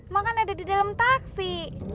mak kan ada di dalam taksi